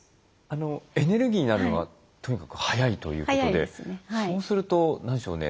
エネルギーになるのはとにかく早いということでそうすると何でしょうね